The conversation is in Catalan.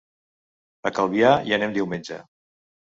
A Calvià hi anem diumenge.